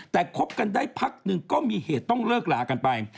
แต่คบกันได้พักหนึ่งก็มีเหตุต้องเลิกลากันไป